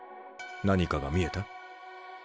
何かが見えた？